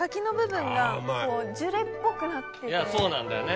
そうなんだよね。